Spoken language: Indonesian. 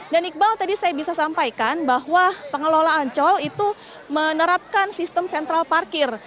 dan iqbal tadi saya bisa sampaikan bahwa pengelola ancol itu menerapkan sistem sentral parkir